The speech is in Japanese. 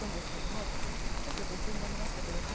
ちょっと途中になりましたけどかぼちゃがね